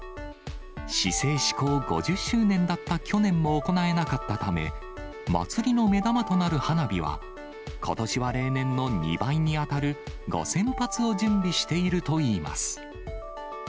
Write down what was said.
市制施行５０周年だった去年も行えなかったため、まつりの目玉となる花火は、ことしは例年の２倍に当たる５０００発を準備しているといいます。